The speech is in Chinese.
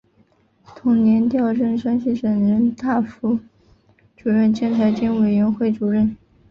同年调任山西省人大副主任兼财经委员会主任。